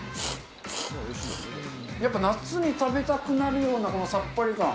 やっぱ夏に食べたくなるような、このさっぱり感。